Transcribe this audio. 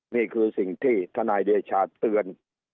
นี่คือสิ่งที่ทนายเดชาเตือน